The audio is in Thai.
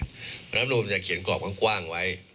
รัฐธรรมดุจะเขียนกรอกกว้างไว้